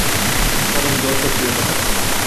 অনেক দর্শকপ্রিয়তা পায়।